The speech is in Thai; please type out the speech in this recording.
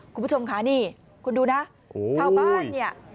คุณผู้ชมค่ะนี่คุณดูนะชาวบ้านเนี่ย